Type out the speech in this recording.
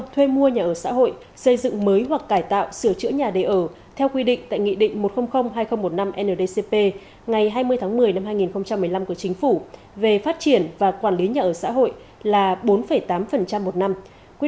trong năm hai nghìn một mươi năm và năm hai nghìn một mươi năm của chính phủ về phát triển và quản lý nhà ở xã hội